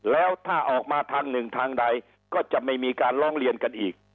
แล้วถ้าออกมาทางหนึ่งทางใดก็จะไม่มีการร้องเรียนกันอีก